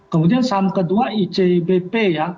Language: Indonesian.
kemudian saham kedua icbp ya